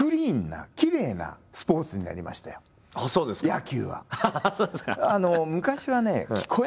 野球は。